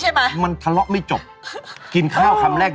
อื้มน้ำปลาไหลใส่สังเกตเป็นแบบนี้เองอ่ะอื้มน้ำปลาไหล